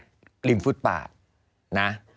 กลิ่มฟุตปากนะ